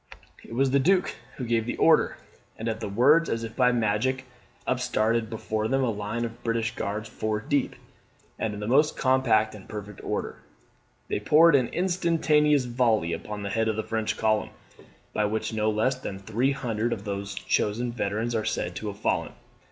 It was the Duke who gave the order; and at the words, as if by magic, up started before them a line of the British Guards four deep, and in the most compact and perfect order. They poured an instantaneous volley upon the head of the French column, by which no less than three hundred of those chosen veterans are said to have fallen.